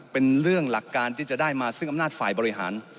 เป็นเรื่องหลักการที่จะได้มาซึ่งอำนาจฝ่ายบริหาร